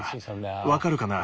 わかるかな？